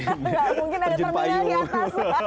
nggak mungkin ada terminal yang di atas